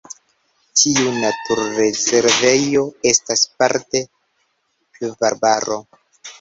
Tiu naturrezervejo estas parte pluvarbaro.